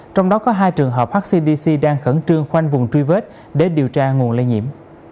trong đó có hai trường hợp hcdc đang khẩn trương quanh vùng truy vết để điều tra nguồn lây nhiễm